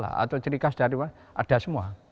atau ciri khas dari mana ada semua